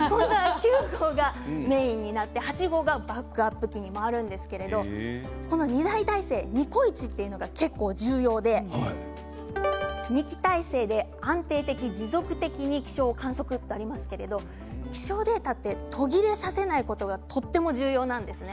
９号がメインになって８号がバックアップ機に回るんですけれどもこの２台体制ニコイチというのが、結構重要で２機体制で安定的に持続的に気象観測とありますけれども気象データは途切れさせないことがとても重要なんですね。